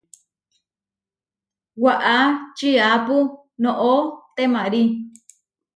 Waʼá čiápu noʼó temarí.